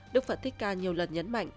đức phật thích ca nhiều lần nhấn mạnh